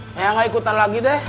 saya nggak ikutan lagi deh